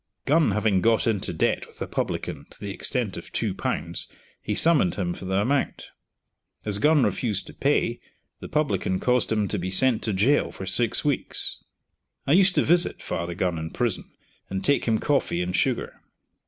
Gun having got into debt with a publican, to the extent of two pounds, he summoned him for the amount. As Gun refused to pay, the publican caused him to be sent to gaol for six weeks. I used to visit father Gun in prison, and take him coffee and sugar.